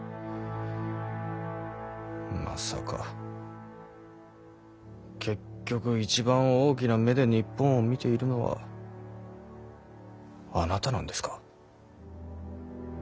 まさか結局一番大きな目で日本を見ているのはあなたなんですか？